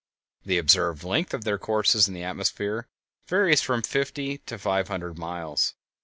The observed length of their courses in the atmosphere varies from fifty to five hundred miles.